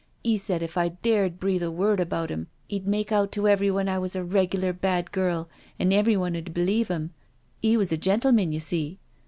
*E said if I dared breathe a word about 'im, 'e'd make out to everyone I was a reglar bad girl, an' every one 'd believe 'im— he was a gentleman, you see."